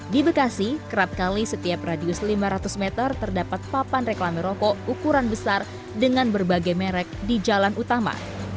di bekasi kerap kali setiap radius lima ratus meter terdapat papan reklame rokok ukuran besar dengan berbagai merek di jalan utama